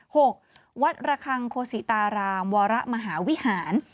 หกวัดระคังโคศิตารามวรมหาวิหาร